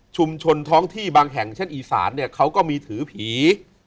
ท้องที่บางแห่งเช่นอีสานเนี่ยเขาก็มีถือผี